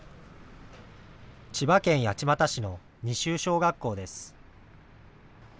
千葉県八街市の二州小学校です。